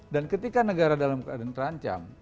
dan ketika negara dalam keadaan terancam